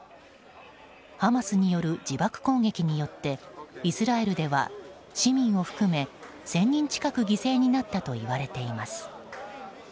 ハマスによる自爆攻撃によってイスラエルでは市民を含め１０００人近く犠牲になったといわれています。